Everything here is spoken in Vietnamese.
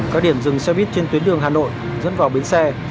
các điểm dừng xe buýt trên tuyến đường hà nội dẫn vào bến xe